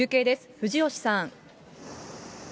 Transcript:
藤吉さん。